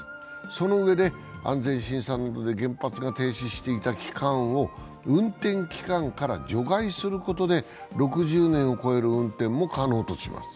そのうえで安全審査などで原発が停止していた期間を運転期間から除外することで、６０年を超える運転も可能とします。